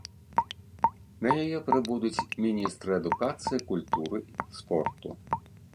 На яе прыбудуць міністры адукацыі, культуры, спорту.